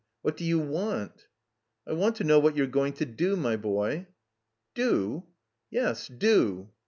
What do you wantf "I want to know what you're going to do, mv boy." "Do?" "Yes, do.'